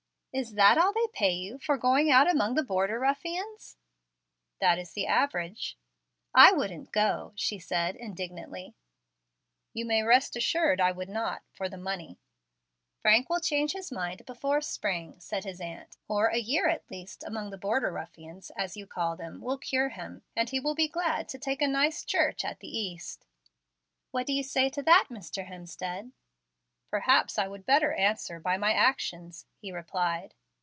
"Is that all they pay you for going out among the border ruffians?" "That is the average." "I wouldn't go," she said indignantly, "You may rest assured I would not, for the money." "Frank will change his mind before spring," said his aunt; "or a year at least among the 'border ruffians,' as you call them, will cure him, and he will be glad to take a nice church at the East." "What do you say to that, Mr. Hemstead?" "Perhaps I would better answer by my actions," he replied.